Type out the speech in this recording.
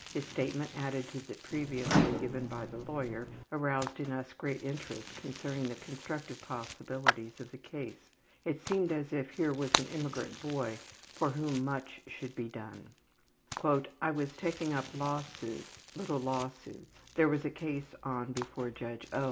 His statement added to that previously given by the lawyer aroused in us great interest concerning the constructive possibilities of the case. It seemed as if here was an immigrant boy for whom much should be done. ``I was taking up law suits, little law suits. There was a case on before Judge O.